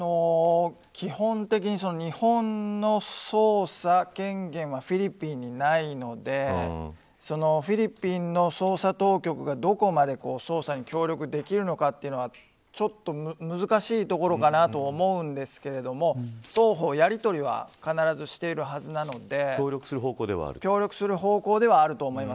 基本的に日本の捜査権限はフィリピンにないのでフィリピンの捜査当局がどこまで捜査に協力できるのかはちょっと難しいところかなと思うんですけども双方やりとりは必ずしているはずなので協力する方向ではあると思います。